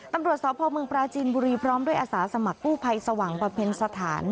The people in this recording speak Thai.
ตำรวจสพเมืองปราจีนบุรีพร้อมด้วยอาสาสมัครกู้ภัยสว่างประเพณสถาน